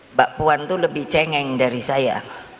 mbak puan itu lebih cengeng dari saya